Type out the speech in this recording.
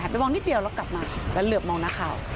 ไปมองนิดเดียวแล้วกลับมาแล้วเหลือบมองนักข่าว